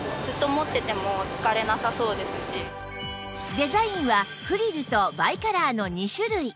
デザインはフリルとバイカラーの２種類